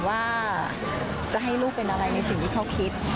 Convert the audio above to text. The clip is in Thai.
ว่าจะให้ลูกเป็นอะไรในสิ่งที่เขาคิด